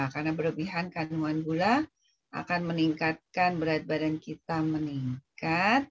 karena berlebihan kandungan gula akan meningkatkan berat badan kita meningkat